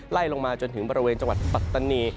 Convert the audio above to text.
ไล่ลงมาจนถึงบริเวณจังหวัดปัตตานี